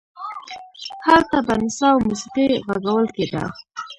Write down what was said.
هلته به نڅا او موسیقي غږول کېده.